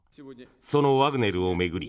そのワグネルを巡り